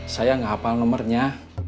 saya gak hafal nomernya